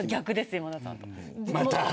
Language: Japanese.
今田さんと。